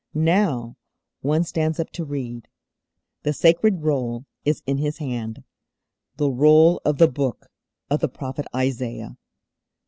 Now One stands up to read. The sacred Roll is in His hand; the Roll of the Book of the prophet Isaiah.